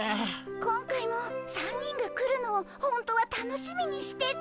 今回も３人が来るのをほんとは楽しみにしてて。